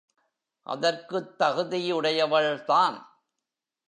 அதற்குத் தகுதியுடையவள் தான்.